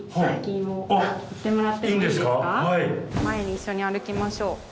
前に一緒に歩きましょう。